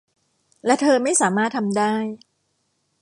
และเธอไม่สามารถทำได้